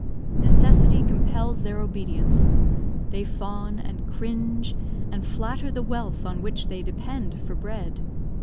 Necessity compels their obedience; they fawn, and cringe, and flatter the wealth on which they depend for bread.